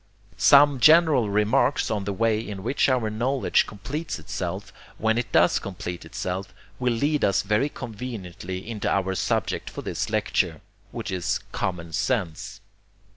Some general remarks on the way in which our knowledge completes itself when it does complete itself will lead us very conveniently into our subject for this lecture, which is 'Common Sense.'